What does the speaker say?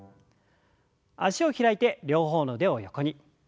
脚を開いて両方の腕を横に。